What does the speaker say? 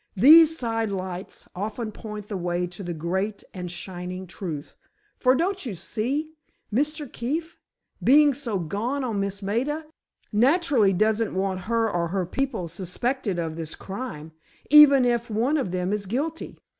"These sidelights often point the way to the great and shinin' truth! For, don't you see, Mr. Keefe, being so gone on Miss Maida, naturally doesn't want her or her people suspected of this crime—even if one of them is guilty.